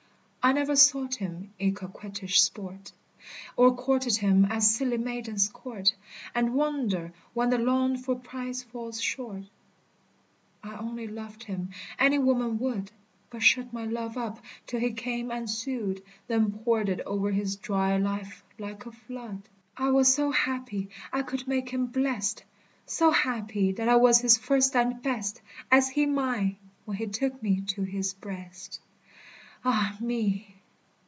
I never sought him in coquettish sport, Or courted him as silly maidens court, And wonder when the longed for prize falls short. I only loved him, any woman would: But shut my love up till he came and sued, Then poured it o'er his dry life like a flood. I was so happy I could make him blest! So happy that I was his first and best, As he mine, when he took me to his breast. Ah me!